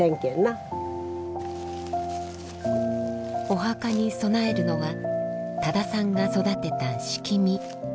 お墓に供えるのは多田さんが育てたシキミ。